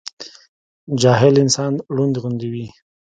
جاهل انسان رونډ غوندي وي